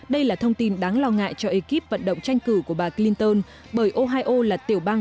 đây là thông tin đáng lo ngại cho ekip vận động tranh cử của bà clinton bởi ohio là tiểu bang